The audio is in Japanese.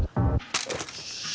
よし。